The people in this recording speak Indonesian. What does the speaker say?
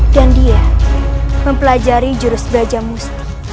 dan dia mempelajari jurus belajar musti